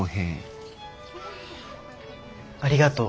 ありがとう。